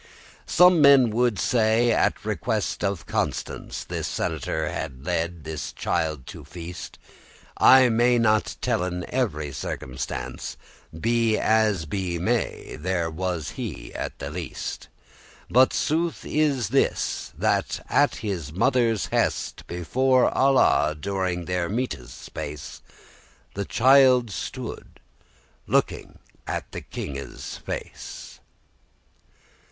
Some men would say,<17> at request of Constance This senator had led this child to feast: I may not tellen every circumstance, Be as be may, there was he at the least: But sooth is this, that at his mother's hest* *behest Before Alla during *the meates space,* *meal time* The child stood, looking in the kinges face.